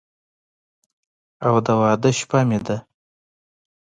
او د واده شپه مې ده